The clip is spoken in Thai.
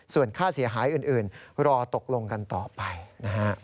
ส่วนค่าเสียหายอื่นรอตกลงกันต่อไปนะฮะ